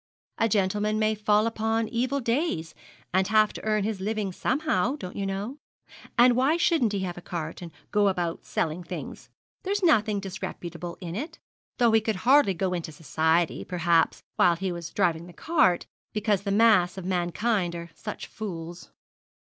'A gentleman may fall upon evil days, and have to earn his living somehow, don't you know; and why shouldn't he have a cart, and go about selling things? There's nothing disreputable in it, though he could hardly go into society, perhaps, while he was driving the cart, because the mass of mankind are such fools.